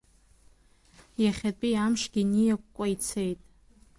Иахьатәи амшгьы ниакәкәа ицеит.